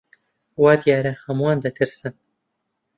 وا دیارە هەمووان دەترسن.